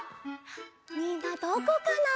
みんなどこかな？